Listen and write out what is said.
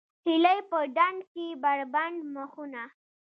هیلۍ په ډنډ کې بربنډ مخونه